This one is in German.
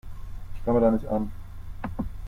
Ich komme da nicht an.